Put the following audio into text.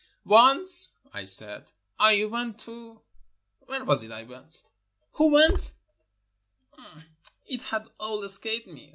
"Once," I said, "I went to ..." Where was it I went? Who went? It had all escaped me.